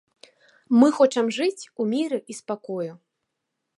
Мы хочам жыць у міры і спакою.